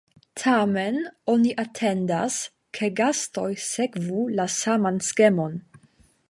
Tamen, oni atendas, ke gastoj sekvu la saman skemon.